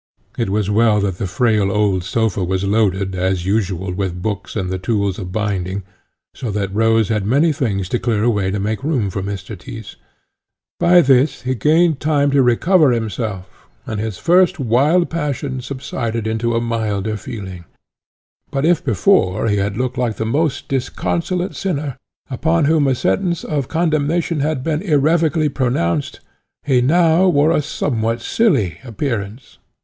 It was well that the frail old sofa was loaded, as usual, with books and the tools for binding, so that Rose had many things to clear away to make room for Mr. Tyss. By this he gained time to recover himself, and his first wild passion subsided into a milder feeling. But if before he had looked like a most disconsolate sinner, upon whom a sentence of condemnation had been irrevocably pronounced, he now wore a somewhat silly appearance.